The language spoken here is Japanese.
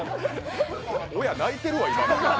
親泣いてるわ、今。